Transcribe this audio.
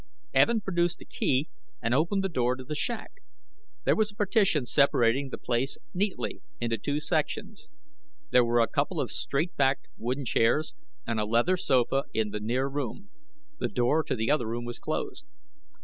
Evin produced a key and opened the door to the shack. There was a partition separating the place neatly into two sections. There were a couple of straight backed wooden chairs and a leather sofa in the near room. The door to the other room was closed.